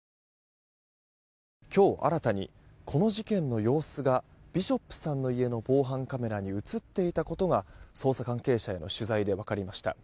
今日、新たにこの事件の様子がビショップさんの家の防犯カメラに映っていたことが捜査関係者への取材で分かりました。